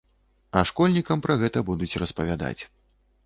А школьнікам пра гэта будуць распавядаць.